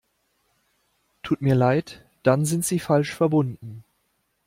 Tut mir leid, dann sind Sie falsch verbunden.